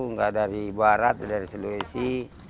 nggak dari barat dari sulawesi